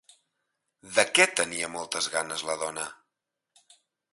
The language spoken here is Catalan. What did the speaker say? De què tenia moltes ganes la dona?